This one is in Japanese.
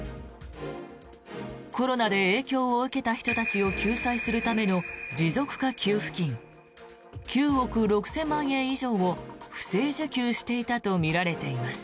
コロナで影響を受けた人たちを救済するための持続化給付金９億６０００万円以上を不正受給していたとみられています。